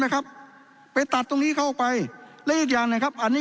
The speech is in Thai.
ครับไปตัดตรงนี้เข้าไปและอีกอย่างหนึ่งครับอันนี้